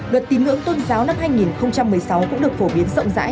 luật tín ngưỡng tôn giáo năm hai nghìn một mươi sáu cũng được phổ biến rộng rãi